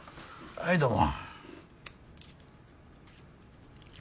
はいどうも。